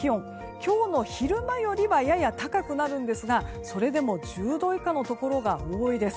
今日の昼間よりはやや高くなるんですが、それでも１０度以下のところが多いです。